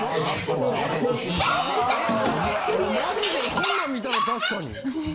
こんなん見たら確かに。